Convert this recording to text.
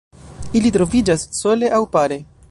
Ili troviĝas sole aŭ pare.